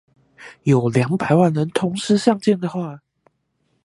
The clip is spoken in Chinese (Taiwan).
有兩百萬人同時上線的話